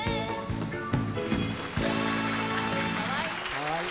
かわいい。